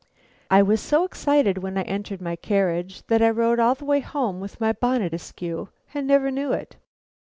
I was so excited when I entered my carriage that I rode all the way home with my bonnet askew and never knew it.